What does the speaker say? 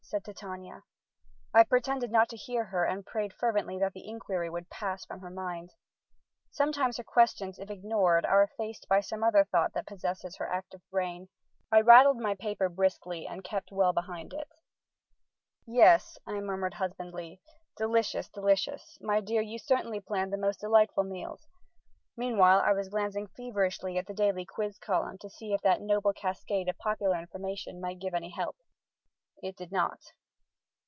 said Titania. I pretended not to hear her and prayed fervently that the inquiry would pass from her mind. Sometimes her questions, if ignored, are effaced by some other thought that possesses her active brain. I rattled my paper briskly and kept well behind it. "Yes," I murmured husbandly, "delicious, delicious! My dear, you certainly plan the most delightful meals." Meanwhile I was glancing feverishly at the daily Quiz column to see if that noble cascade of popular information might give any help. It did not.